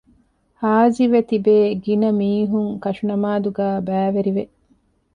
ހާޒިވެތިބޭ ގިނަ މީހުން ކަށުނަމާދުގައި ބައިވެރި ވެ